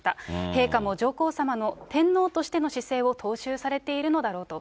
陛下も上皇さまの天皇としての姿勢を踏襲されているのだろうと。